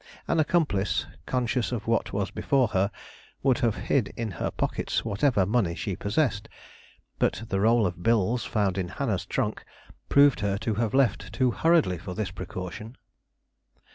An accomplice, conscious of what was before her, would have hid in her pockets whatever money she possessed. But the roll of bills found in Hannah's trunk proved her to have left too hurriedly for this precaution.